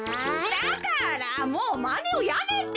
だからもうまねをやめって。